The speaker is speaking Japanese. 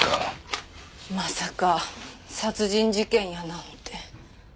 まさか殺人事件やなんて。